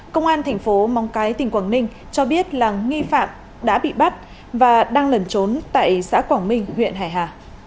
công an thành phố móng cái tỉnh quảng ninh cho biết là nghi phạm đã bị bắt và đang lẩn trốn tại xã quảng minh huyện hải hà